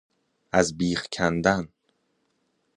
از بیخ کندن